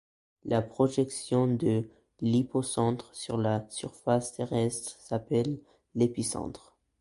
La projection de l’hypocentre sur la surface terrestre s'appelle l’épicentre.